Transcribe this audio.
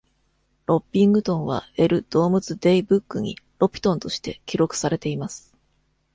ロッピングトンは L ドームズ・デイ・ブックにロピトンとして記録されています。